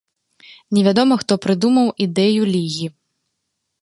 Невядома, хто прыдумаў ідэю лігі.